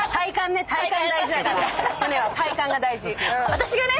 私がね